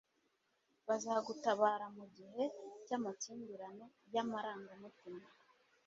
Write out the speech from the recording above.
bazagutabara mugihe cy'amakimbirane y'amarangamutima